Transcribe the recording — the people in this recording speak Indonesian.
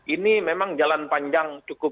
ini memang jalan panjang cukup